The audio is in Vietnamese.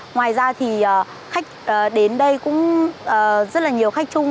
ngoài ra thì khách đến đây cũng rất là nhiều khách chung